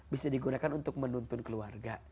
bisa digunakan untuk menuntun keluarga